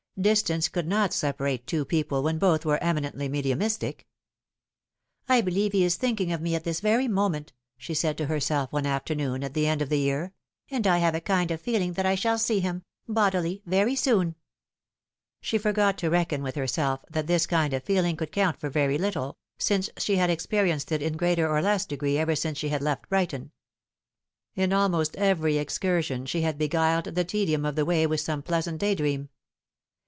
Distance could not separate two people when both were eminently mediumistic. "I believe he is thinking of me at this very moment," she said to herself one afternoon at the end of the year " and I have a kind of feeling that I shall see him bodily very soon." She forgot to reckon with herself that this kind of feeling could count for very little, since she had experienced it in greater or less degree ever since she had left Brighton. la almost every excursion she had beguiled the tedium of the way with some pleasant day dream.